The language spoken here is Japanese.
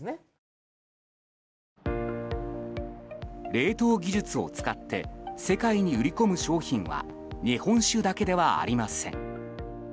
冷凍技術を使って世界に売り込む商品は日本酒だけではありません。